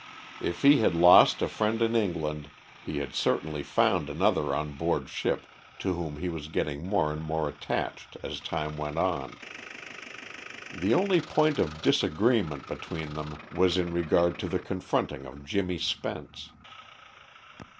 If he had lost a friend in England, he had certainly found another on board ship to whom he was getting more and more attached as time went on. The only point of disagreement between them was in regard to the confronting of Jimmy Spence.